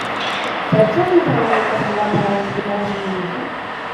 Saps algun remei casolà per a les picades de medusa?